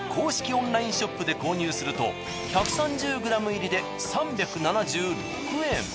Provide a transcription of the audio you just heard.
オンラインショップで購入すると１３０ｇ入りで３７６円。